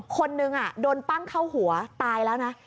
คนนึงโดนปั้งเข้าหัวตายแล้วนะ